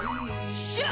っしゃあ！